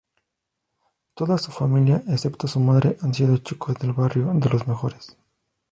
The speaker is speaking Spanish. Toda su familia excepto su madre han sido chicos del barrio, de los mejores.